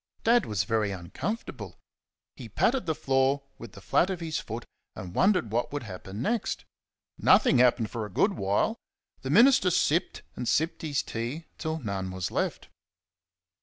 Dad was very uncomfortable. He patted the floor with the flat of his foot and wondered what would happen next. Nothing happened for a good while. The minister sipped and sipped his tea till none was left...